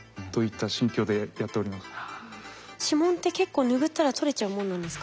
指紋って結構ぬぐったら取れちゃうもんなんですか？